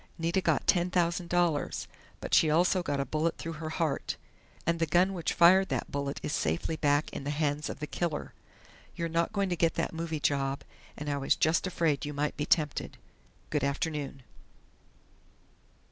_ Nita got ten thousand dollars, but she also got a bullet through her heart. And the gun which fired that bullet is safely back in the hands of the killer.... You're not going to get that movie job, and I was just afraid you might be tempted!... Good afternoon!"